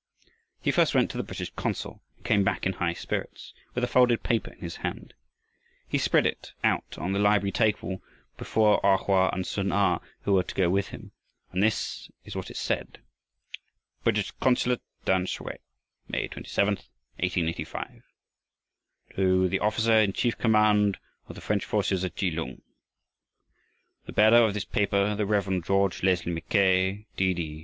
He first went to the British consul and came back in high spirits with a folded paper in his hand. He spread it out on the library table before A Hoa and Sun a, who were to go with him, and this is what it said: British Consulate, Tamsui, May 27th, 1885. To THE OFFICER IN CHIEF COMMAND OF THE FRENCH FORCES AT KELUNG: The bearer of this paper, the Rev. George Leslie Mackay, D.D.